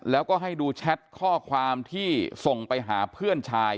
แล้วก็ให้ดูแชทข้อความที่ส่งไปหาเพื่อนชาย